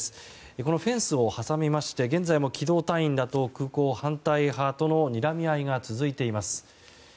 このフェンスを挟みまして現在も機動隊員らと空港反対派とのにらみ合いが続いています。